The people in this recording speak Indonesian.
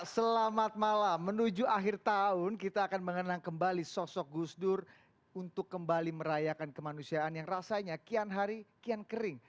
selamat malam menuju akhir tahun kita akan mengenang kembali sosok gus dur untuk kembali merayakan kemanusiaan yang rasanya kian hari kian kering